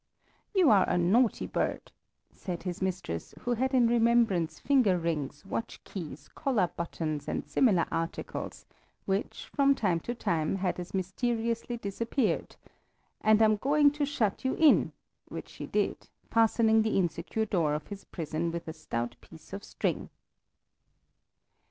"You are a naughty bird," said his mistress, who had in remembrance finger rings, watch keys, collar buttons, and similar articles, which, from time to time, had as mysteriously disappeared, "and I am going to shut you in," which she did, fastening the insecure door of his prison with a stout piece of string.